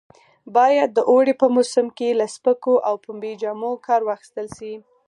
باید د اوړي په موسم کې له سپکو او پنبې جامو کار واخیستل شي.